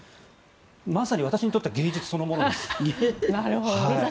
まさに私にとっては芸術そのものです。